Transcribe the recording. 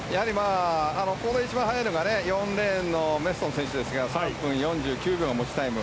一番速いのが４レーンのメストレ選手ですが３分４９秒という持ちタイム。